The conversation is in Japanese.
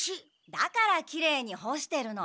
だからきれいにほしてるの。